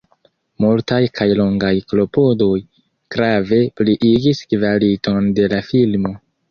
Multaj kaj longaj klopodoj grave pliigis kvaliton de la filmo.